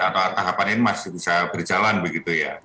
atau tahapan ini masih bisa berjalan begitu ya